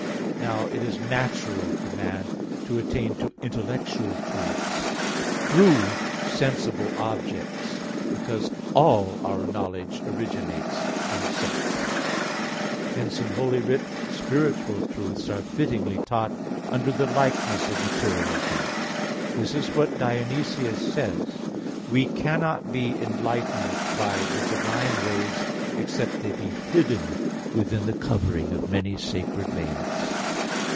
Now it is natural to man to attain to intellectual truths through sensible objects, because all our knowledge originates from sense. Hence in Holy Writ, spiritual truths are fittingly taught under the likeness of material things. This is what Dionysius says (Coel. Hier. i): "We cannot be enlightened by the divine rays except they be hidden within the covering of many sacred veils."